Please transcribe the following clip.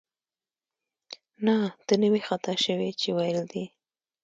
نه، ته نه وې خطا شوې چې ویل دې